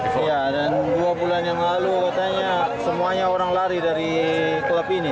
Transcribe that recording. iya dan dua bulan yang lalu katanya semuanya orang lari dari klub ini